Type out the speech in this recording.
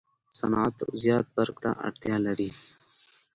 صنعت و زیات برق ته اړتیا لري.